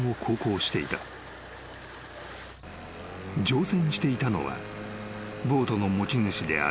［乗船していたのはボートの持ち主であるポール］